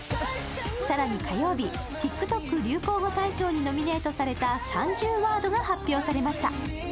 さらに火曜日、ＴｉｋＴｏｋ流行語大賞にノミネートされた３０ワードが発表されました。